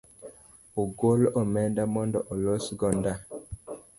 Ogol omenda mondo olos go nda